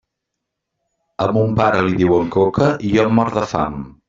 A mon pare li diuen Coca, i jo em mor de fam.